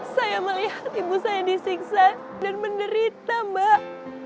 saya melihat ibu saya disiksa dan menderita mbak